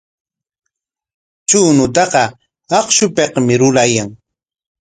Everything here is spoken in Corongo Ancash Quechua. Chuñutaqa akshupikmi rurayan.